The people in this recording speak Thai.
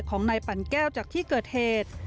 ของนายปั่นแก้วจากที่เกิดเหตุ